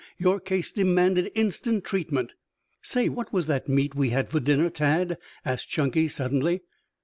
Your case demanded instant treatment " "Say, what was that meat we had for dinner, Tad?" asked Chunky suddenly.